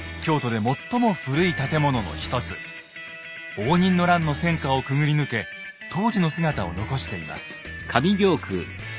応仁の乱の戦火をくぐり抜け当時の姿を残しています。